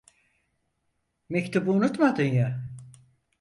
Mektubu unutmadın ya!